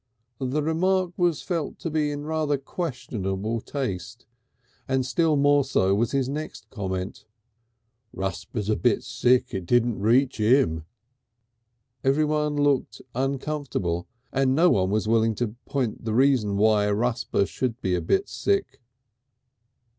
The remark was felt to be in rather questionable taste, and still more so was his next comment. "Rusper's a bit sick it didn't reach 'im." Everyone looked uncomfortable, and no one was willing to point the reason why Rusper should be a bit sick.